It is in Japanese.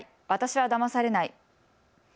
私はだまされない。